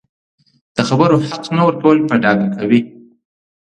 د خبرو حق نه ورکول په ډاګه کوي